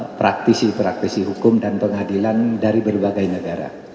dan juga praktisi praktisi hukum dan pengadilan dari berbagai negara